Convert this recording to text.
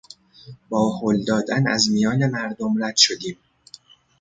با هل دادن از میان مردم رد شدیم.